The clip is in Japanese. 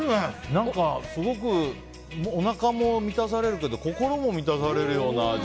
何かすごくおなかも満たされるけど心も満たされるような味。